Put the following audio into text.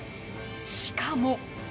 しかも。